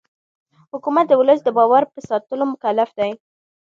حکومت د ولس د باور په ساتلو مکلف دی